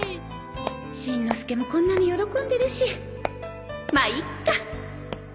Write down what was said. しんのすけもこんなに喜んでるしまあいっか